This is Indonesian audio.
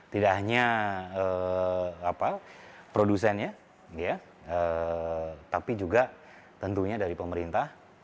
tidak hanya produsennya tapi juga tentunya dari pemerintah